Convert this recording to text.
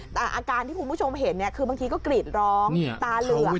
แต่อาการที่คุณผู้ชมเห็นคือบางทีก็กรีดร้องตาเหลือก